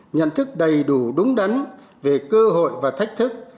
nhận thức đầy đủ đúng đắn về cơ hội và thách thức